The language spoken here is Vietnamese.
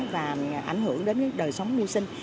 và ảnh hưởng đến đời sống nuôi sinh